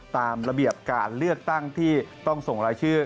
ตามระเบียบการเลือกตั้งที่ต้องส่งรายชื่อ